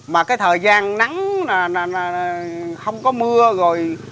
mà cái thời gian nắng không có mưa rồi